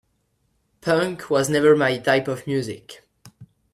Punk was never my type of music.